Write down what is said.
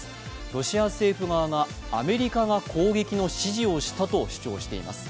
ロシア政府側がアメリカが攻撃の指示をしたと主張しています。